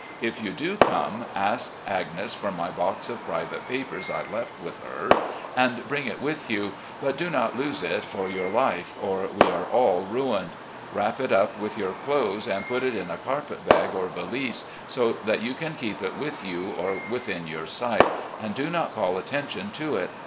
If you do come, ask Agnes for my box of private papers I left with her, and bring it with you ; but do not lose it for your life, or we are all ruined. Wrap it up with your clothes and put it in a carpet bag or valise, so that you can keep it with you or within your sight, and do not call attention to it.